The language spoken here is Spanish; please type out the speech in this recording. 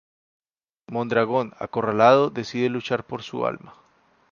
Mondragón, acorralado, decide luchar por su alma.